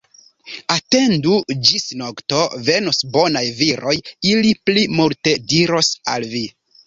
Atendu ĝis nokto, venos bonaj viroj, ili pli multe diros al vi.